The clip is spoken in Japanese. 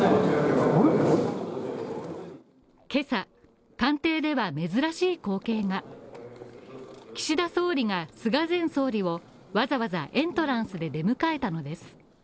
今朝、官邸では珍しい光景が、岸田総理が菅前総理をわざわざエントランスで出迎えたのです。